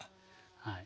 はい。